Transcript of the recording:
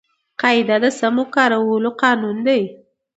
قاعده د سمو کارولو قانون دئ.